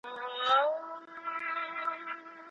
ملایانو ته یې د مسلکي ازموینې شرط وټاکه.